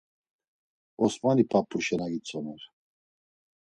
Osmani p̌ap̌u şena gitzomer.